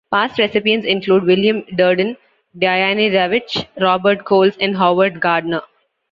Past recipients include William Durden, Diane Ravitch, Robert Coles, and Howard Gardner.